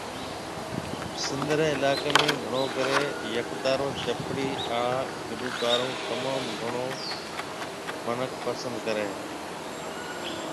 سنڌ ري علاقي ۾ گھڻو ڪري يڪتارو چپڙي آڙا گلوڪارون تموم گھڻو منک پسند ڪري هي